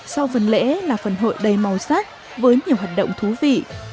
sau phần lễ là phần hội đầy màu sắc với nhiều hoạt động thú vị